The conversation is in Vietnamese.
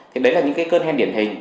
thì đấy là những cân hen điển hình